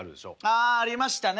ああありましたね。